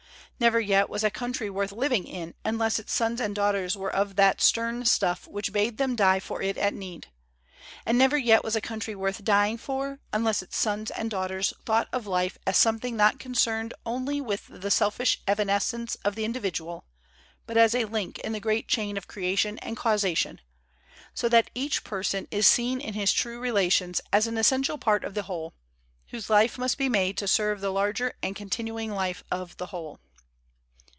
Never yet was a country worth living in unless its sons and daughters were of that stern stuff which bade them die for it at need; and never yet was a country worth dying for unless its sons and daughters thought of life as something not concerned only with the selfish evanescence of the in dividual, but as a link in the great chain of creation and causation, so that each person is seen in his true relations as an essential part of the whole, whose life must be made to serve the larger and continuing life of the whole.